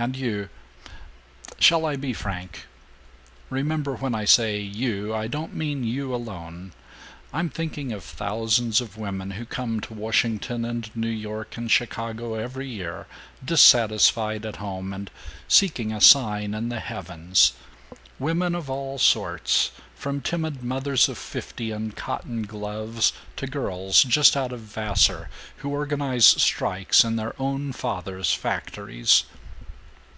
And you? Shall I be frank? Remember when I say 'you' I don't mean you alone. I'm thinking of thousands of women who come to Washington and New York and Chicago every year, dissatisfied at home and seeking a sign in the heavens women of all sorts, from timid mothers of fifty in cotton gloves, to girls just out of Vassar who organize strikes in their own fathers' factories!